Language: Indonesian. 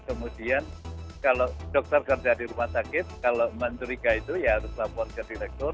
kemudian kalau dokter kerja di rumah sakit kalau mencuriga itu ya harus lapor ke direktur